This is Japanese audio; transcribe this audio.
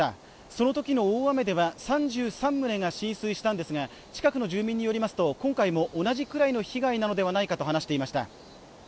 その時の大雨では３３棟が浸水したんですが近くの住民によりますと今回も同じくらいの被害なのではないかと話していました